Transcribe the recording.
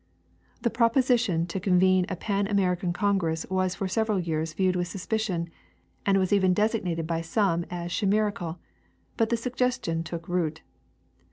The proposition to convene a Pan American congress was for several years viewed with suspicion, and was even designated by some as chimerical, but the suggestion took root.